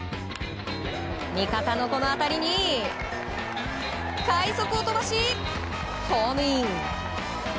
味方の当たりに快足を飛ばしホームイン！